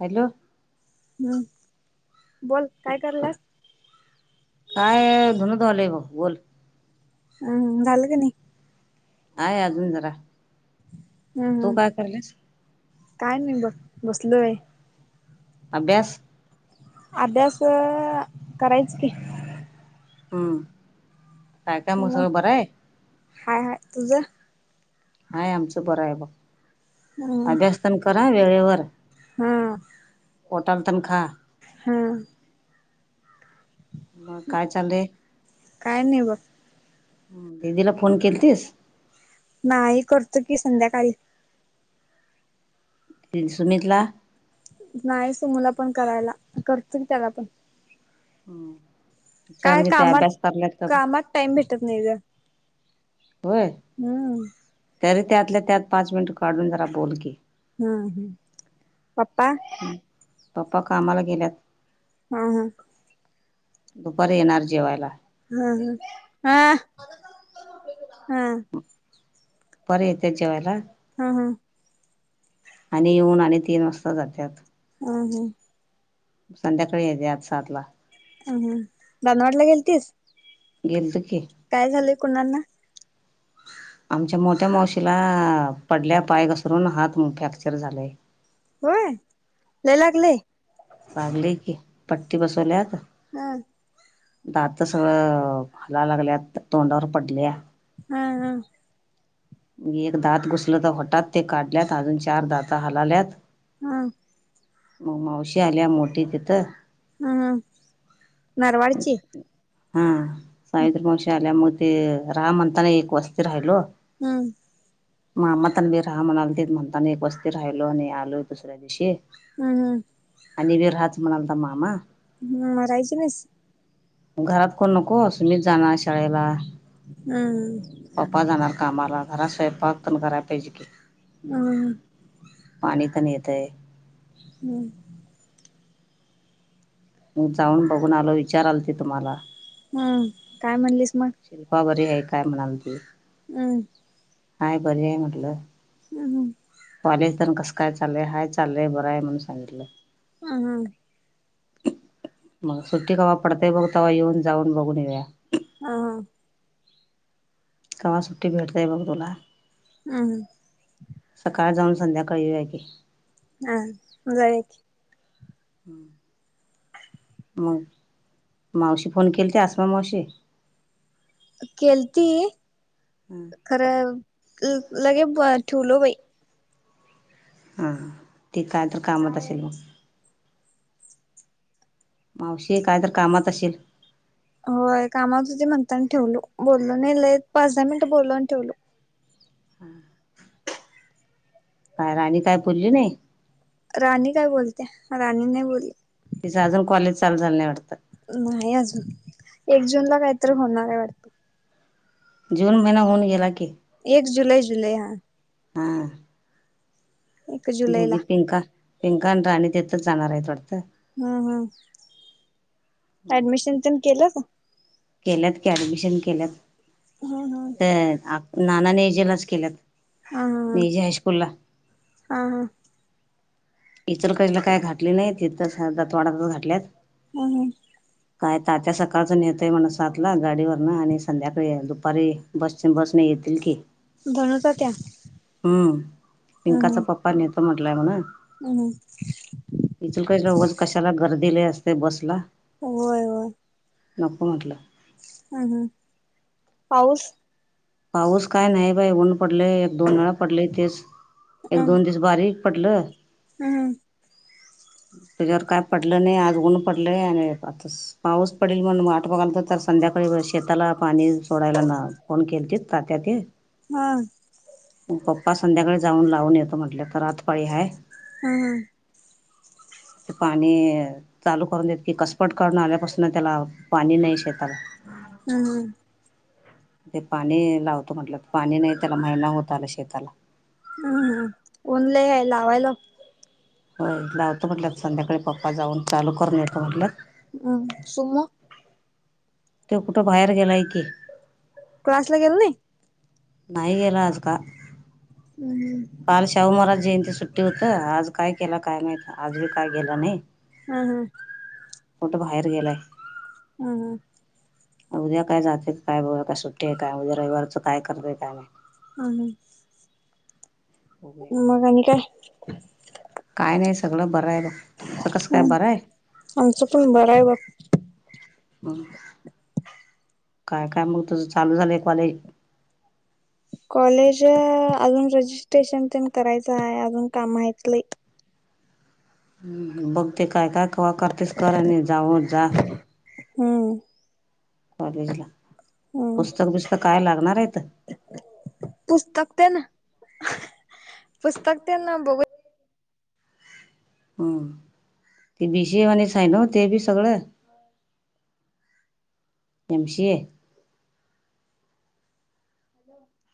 Hello. Hello. बोल काय कराल्यास? काय धुणं धुवालोय बग बोल. हं झालं का नाही? आहे अजून जरा. हं.. तू हं.. काय करायल्यास काय नाही बग बसलोय. अभ्यास. अभ्यास... करायचं की. हूं काय काम म मग संगळ बर आहे. हाय हाय तुझं? हाय आमचं बरं आहे बघ हम्म अभ्यास पन करा वेळेवर हा पोटाल तन खा? हां! म काय चाललंय, काय नाही बघ. दिदीला फोन केलतीस. नाही करतो की संध्याकाळी. तीन सुमितला? नाही सुमुला पण करायला, करतो की त्याला पण. हं विचारून काय घे ते कामात अभ्यास करल्यात का म. कामात टाइम भेटत नही ग. होय! हूं! तरी त्यातल्या त्यात पाच मिनिट काढून जरा बोलकी. हूं हूं पप्पा. पप्पा कामाला गेल्यात. हा हा! दुपारी येणार जेवायला. हा हा हा हा! दुपारी येत्यात जेवायला? हं हं! आणि येऊन आणि तीन वाजता जात्यात. [unintelligible] संध्याकाळी येत्यात सात ला. अ दानवाडला गेलतीस? गेलतो की. काय झालंय कुणाननां? आमच्या मोठ्या मावशीला पडल्या पाय घसरून हात म फ्रॅक्चर झालाय. होय लयी लागलय. वागलय की पट्टी बसवल्या आता. हं! दात सगळं हालायला लागल्यात तोंडावर पडल्या. हा हा! एक दात घुसलत होटात ते काढल्यात अजून चार दात हलाल्यात. हा! मग मावशी आल्या मोठी तिथं. हं हं नरवाडची? हा सावित्री मावशी आल्या म ते राहा म्हणताना एक वस्ती राहिलो. हूं! मामातण बी राहा म्हणाल, ते म्हणतानी एक वस्ती राहिलो आणि आलोय दुसऱ्या दिवशी. हूं हूं! आणि बी राहंच म्हणालतां मामा. हं म राहायची नईस. घरात कोण नको सुमी जाणार शाळेला. ऊ! पप्पा जाणार कामाला घरात स्वयंपाक तेन कराय पाहिजे की हू पाणी पण येतय हू मग जाऊन बघून आलो विचाराल ती तुम्हाला हू काय म्हणलीस मग शिल्पा बरी हाय काय म्हणालती उ हाय बरी हाय म्हटलं हू हू कॉलेज तेन कसं काय चाललंय हाय चाललंय बर हाय म्हणून सांगितलं हू हू मग सुट्टी कवा पडतय बघ तवा येऊन जाऊन बघून येऊया हा हा कवा सुट्टी भेटतय बघ तुला हू सकाळ जाऊन संध्याकाळी युया की हा जाऊया [inaudible] [inaudible] मग मावशी फोन केलती आसमा मावशी केलती हू खरं लगे ठेवलो बाई हा ती काय तर कामात असेल मग मावशी काय तर कामात अशिल होय कामत होती म्हणताना ठेवलो बोललो नाही लई पाच दहा मिनट बोललो आणि ठेवलो [inaudible] काय राणी काय बोलली नाही राणी काय बोलत्या राणी नाही बोलली तिंच अजून कॉलेज चालू झाल नाही वाटत नाही अजून एक जून ला कायतरी होणार हाय वाट जून महिना हून गेला की एक जुलै जुलै हा हा एक जुलैला दोघी पिंका पिंका आणि राणी तिथच जाणार हाइत वाटतं हू हू ऍडमिशन तेन केलं का केल्यात की ऍडमिशन केल्यात हा हा त नाना एजेलाच केल्यात हा हा नेजे हायस्कूलला हा हा इचलकरंजीला काय घातले नाहीत इथच दतवाडातचं घातल्यात हू हू काय तात्या सकाळचं नेतोय म्हण सातला गाडीवरन आणि संध्याकाळी दुपारी बस बसने येतील की धनुचा त्या हू हम्म पिंकाचा हम्म पप्पा पाणी येत म्हटलंय म्हणे. हम्म. इचल का रज कशाला गर्दीला लई असते बसला. होय. होय. नको म्हटलं. हम् हम्. पाऊस? पाऊस काय नाही बाई. ऊन पडलय. एक दोन वेळा पडलय तेच. एक हम्म दोन दिस- बारीक पडल. हम्म. त्याच्यावर काय पडलं नाही. आज उन पडलंय आणि [unintelligible] पाऊस पडेल म्हणून वाट बघायल तर तर संध्याकाळी शेताला पाणी सोडायला मिळालं. फोन केल ते तात्या ते. हा. मग पप्पा संध्याकाळी जाऊन लावून येतो म्हटले. तर रातपाळी हाय. हम्म. ते पाणी चालू करून देत की कसपट करून आल्यापासून त्याला पाणी नाही शेताला. हम् हम्. ते पाणी लावतो म्हटलं. पाणी नाही त्याला महिना होत आला शेताला. हम्म. ऊन लय हाय लावायला. होय. लावतो म्हटलं संध्याकाळी पप्पा जाऊन चालू करून येत म्हटल्यात. हम. सम [unintelligible] तो कुठं बाहेर गेलाय की. क्लास ला गेला नाही? नाही गेला आज का. हम्म. काल शाहू महाराज जयंती सुट्टी होत. आज काय केला काय माहीत आज बी काय गेला नाही. हा हम. कुट बाहेर गेलाय. हम हम. उद्या काय जाते काय बोल काय सुट्टी आहे काय उद्या रविवारचं काय करतय काय माहीत. हं. बघूया मग आणि काय? काय नाही सगळं बरं आहे बघ. तुमचं कसं काय हम्म बरंय? आमचं पण बरं आहे बघ. काय काय मग तुझं चालू झालंय कॉलेज? कॉलेज अजून रजिस्ट्रेशन तेन करायचंय. अजून काम आहेती. हम्म. हं. बघते काय काय कवा करतेस कर. नाही जाऊ जा. हम्म. कॉलेज ला. हम्म पुस्तक बिस्तक काय लागणार आहेेत? पुस्तक ते न? पुस्तक त्यां न बघू. हम. ते बी सि ए वानीच आहे ना? ते बी सगळं. M C A?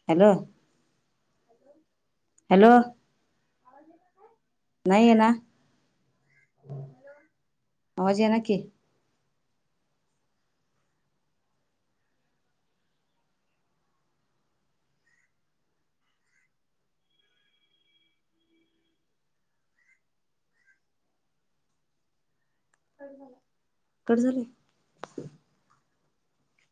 Hello. Hello. नाही येईना. आवाज येईना की. कट झाला. कट झाल?